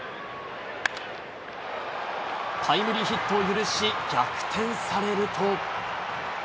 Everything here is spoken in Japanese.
タイムリーヒットを許し、逆転されると。